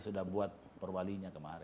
sudah buat perwalinya kemarin